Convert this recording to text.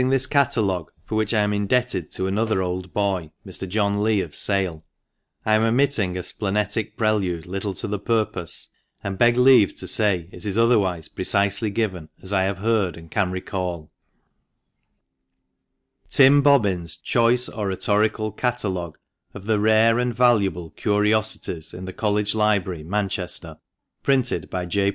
this catalogue, for which I am indebted to another " old boy," Mr. John Lea, of Sale, I am omitting a splenetic prelude little to the purpose, and beg leave to say it is otherwise precisely given as I have heard, and can recall, "TIM BOBBIN'S ' Choice Oratorical Catalogue ' of the rare and valuable Curiosities in the College Library, Manchester. Printed by J.